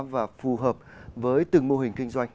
và phù hợp với từng mô hình kinh doanh